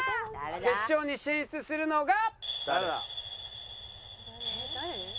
決勝に進出するのが。